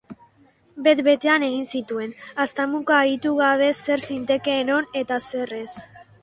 Bet-betan egin zituen, haztamuka aritu gabe zer zitekeen on eta zer ez.